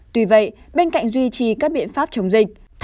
tuy vậy bên cạnh duy trì các biện pháp chống dịch